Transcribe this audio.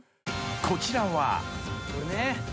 ［こちらは］